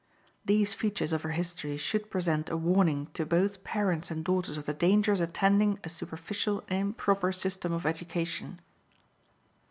These features of her history should present a warning to both parents and daughters of the dangers attending a superficial and improper system of education.